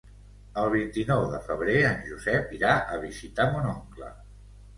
El vint-i-nou de febrer en Josep irà a visitar mon oncle.